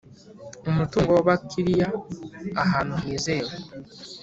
umutungo w Abakiriya ahantu hizewe